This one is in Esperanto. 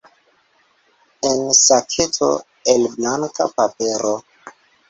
En saketo el blanka papero.